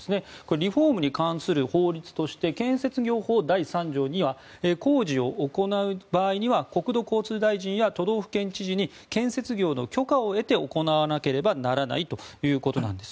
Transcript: リフォームに関する法律として建設業法第３条には工事を行う場合には国土交通大臣や都道府県知事に建設業の許可を得て行わなければならないということなんです。